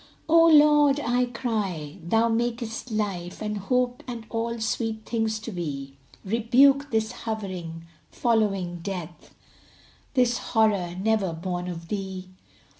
"O Lord," I cry, "Thou makest life And hope and all sweet things to be; Rebuke this hovering, following Death, This horror never born of Thee."